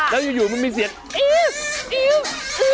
แล้วอยู่มันมีเสียง